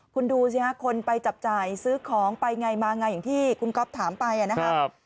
คุณดูสิฮะคนไปจับจ่ายซื้อของไปไงมาไงอย่างที่คุณก๊อฟถามไปนะครับ